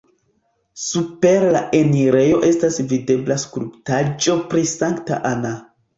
Super la enirejo estas videbla skulptaĵo pri Sankta Anna.